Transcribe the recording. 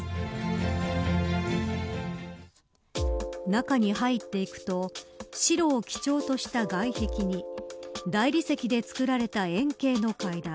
中に入っていくと白を基調とした外壁に大理石で作られた円形の階段。